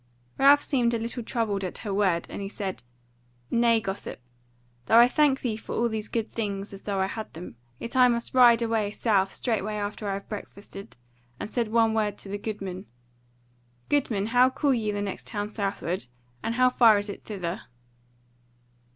Ralph seemed a little troubled at her word, and he said: "Nay, gossip, though I thank thee for all these good things as though I had them, yet must I ride away south straightway after I have breakfasted, and said one word to the goodman. Goodman, how call ye the next town southward, and how far is it thither?"